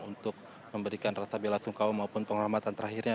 untuk memberikan rasa bela sungkawa maupun penghormatan terakhirnya